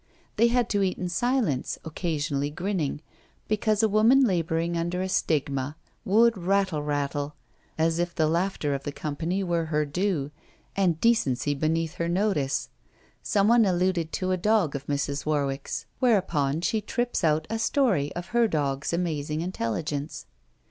They had to eat in silence, occasionally grinning, because a woman labouring under a stigma would rattle rattle, as if the laughter of the company were her due, and decency beneath her notice. Some one alluded to a dog of Mrs. Warwick's, whereupon she trips out a story of her dog's amazing intelligence.